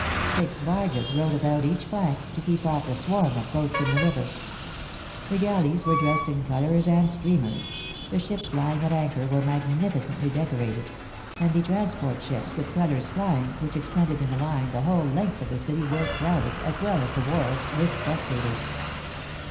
Six barges rowed about each flank, to keep off the swarm of boats in the river. The galleys were dressed in colors and streamers; the ships lying at anchor were magnificently decorated; and the transport ships with colors flying, which extended in a line the whole length of the city, were crowded, as well as the wharves, with spectators.